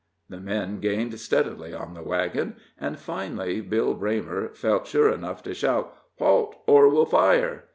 The men gained steadily on the wagon, and finally Bill Braymer felt sure enough to shout: "Halt, or we'll fire!"